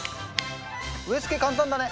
植え付け簡単だね。